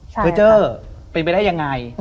เค้าเจอเป็นไปได้ยังไง